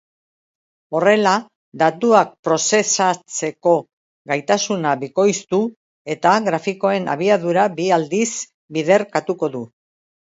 Horrela, datuak prozesatzeko gaitasuna bikoiztu eta grafikoen abiadura bi aldiz biderkatuko du.